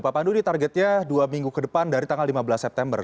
pak pandu ini targetnya dua minggu ke depan dari tanggal lima belas september